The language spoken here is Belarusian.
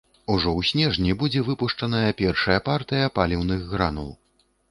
Ужо ў снежні будзе выпушчаная першая партыя паліўных гранул.